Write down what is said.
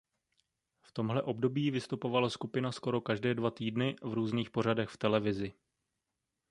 V tomhle období vystupovala skupina skoro každé dva týdny v různých pořadech v televizi.